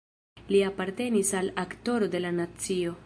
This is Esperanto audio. Li apartenis al Aktoro de la nacio.